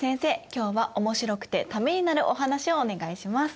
今日はおもしろくてためになるお話をお願いします。